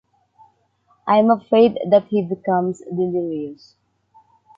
I am afraid that he becomes delirious.